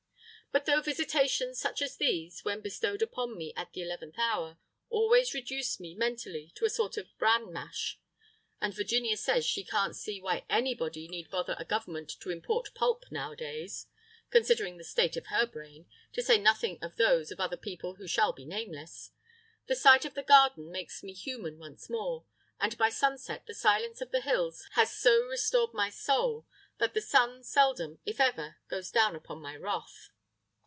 But though visitations such as these, when bestowed upon me at the eleventh hour, always reduce me mentally to a sort of bran mash (and Virginia says she can't see why anybody need bother a government to import pulp nowadays, considering the state of her brain, to say nothing of those of other people who shall be nameless), the sight of the garden makes me human once more, and by sunset the silence of the hills has so restored my soul, that the sun seldom, if ever, goes down upon my wrath.